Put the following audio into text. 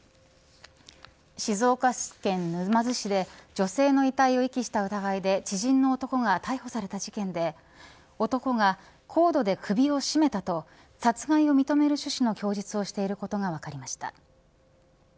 静岡県沼津市で女性の遺体を遺棄した疑いで知人の男が逮捕された事件で男がコードで首を絞めたと殺害を認める趣旨の供述をしていることが分かりました。